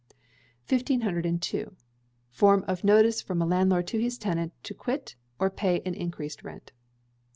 1502. _Form of Notice from a Landlord to his Tenant to Quit or Pay an increased Rent.